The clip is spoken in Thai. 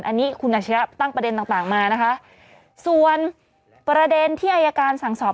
อันนี้คุณอัชริยะตั้งประเด็นต่างต่างมานะคะส่วนประเด็นที่อายการสั่งสอบ